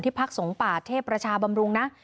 ที่พรรคสงปะเทพรชาบำรุงนะ